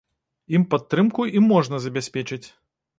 Ім падтрымку і можна забяспечыць.